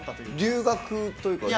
留学というか旅行？